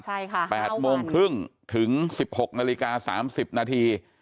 ใช่ค่ะ๘โมงครึ่งถึง๑๖นาฬิกา๓๐นาที